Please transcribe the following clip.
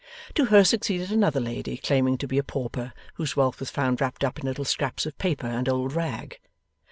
To her succeeded another lady, claiming to be a pauper, whose wealth was found wrapped up in little scraps of paper and old rag.